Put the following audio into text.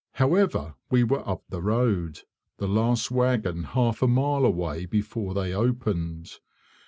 However, we were up the road, the last wagon half a mile away before they opened.